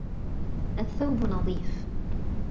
الثَّوْبُ نَظِيفٌ.